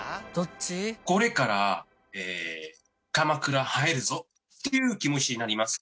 これから鎌倉入るぞという気持ちになります。